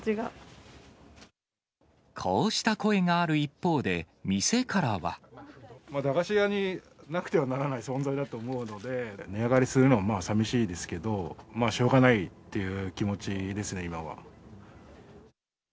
こうした声がある一方で、駄菓子屋になくてはならない存在だと思うので、値上がりするのはまあさみしいですけど、しょうがないっていう気持ちですね、今は。